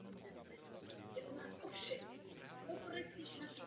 Palba byla převážně zaměřena do prostoru před a za sousední objekty.